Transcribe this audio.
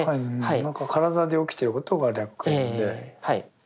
何か体で起きてることが歴縁で。